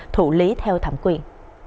thủ lý theo thẩm quyền